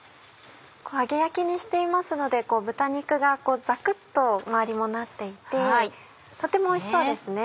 揚げ焼きにしていますので豚肉がザクっと周りもなっていてとてもおいしそうですね。